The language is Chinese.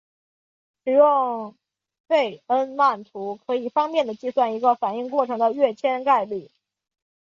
使用费恩曼图可以方便地计算出一个反应过程的跃迁概率。